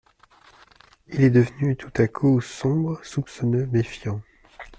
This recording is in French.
Il est devenu tout à coup sombre, soupçonneux, méfiant.